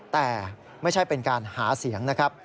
แต่ไม่ใช่เป็นการหาเสียง